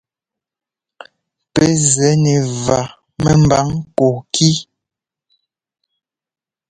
Pɛ́ zɛ́ nɛ vǎ mɛ́mbǎŋ kɔɔkí.